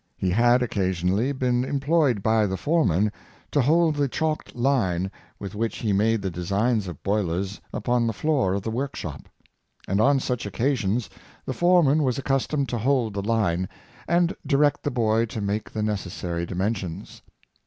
He had occasionally been employed by the foreman to hold the chalked line with which he made the designs of boilers upon the floor of the workshop; and on such occasions the foreman was 352 yames Sharpies, accustomed to hold the Hne, and direct the boy to make the necessary dimensions.